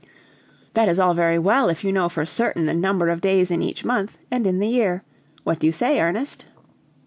"That is all very well, if you know for certain the number of days in each month, and in the year. What do you say, Ernest?"